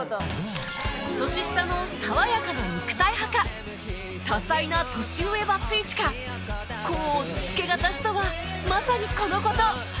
年下の爽やかな肉体派か多才な年上バツイチか甲乙つけがたしとはまさにこの事